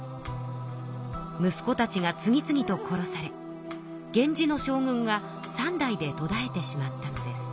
息子たちが次々と殺され源氏の将軍が３代でとだえてしまったのです。